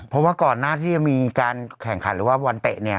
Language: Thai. เพราะว่าก่อนหน้าที่จะมีการแข่งขันหรือว่าบอลเตะเนี่ย